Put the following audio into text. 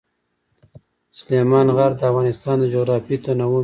سلیمان غر د افغانستان د جغرافیوي تنوع مثال دی.